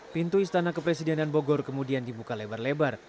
pintu istana kepresidenan bogor kemudian dibuka lebar lebar